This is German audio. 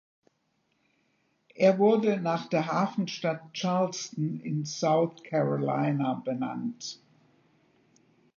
Er wurde nach der Hafenstadt Charleston in South Carolina benannt.